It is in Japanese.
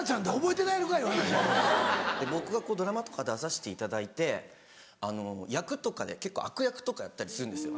僕がドラマとか出させていただいて役とかで結構悪役とかやったりするんですよ。